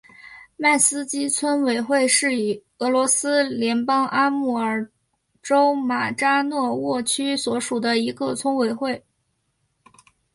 迈斯基村委员会是俄罗斯联邦阿穆尔州马扎诺沃区所属的一个村委员会。